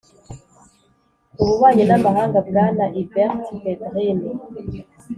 ububanyi n'amahanga, bwana hubert védrine,